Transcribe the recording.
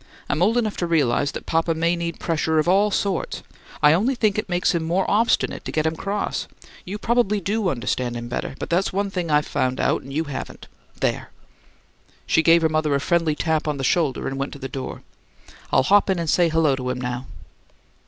"I'm old enough to realize that papa may need pressure of all sorts; I only think it makes him more obstinate to get him cross. You probably do understand him better, but that's one thing I've found out and you haven't. There!" She gave her mother a friendly tap on the shoulder and went to the door. "I'll hop in and say hello to him now."